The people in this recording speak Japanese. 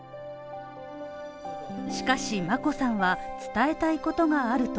しかし、眞子さんは伝えたいことがあると